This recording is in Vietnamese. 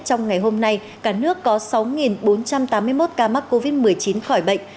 trong ngày hôm nay cả nước có sáu bốn trăm tám mươi một ca mắc covid một mươi chín khỏi bệnh